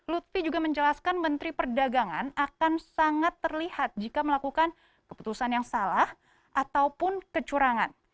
lutfi juga menjelaskan menteri perdagangan akan sangat terlihat jika melakukan keputusan yang salah ataupun kecurangan